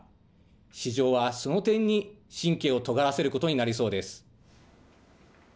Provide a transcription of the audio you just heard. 市場はその点に神経をとがらせることになりそうです。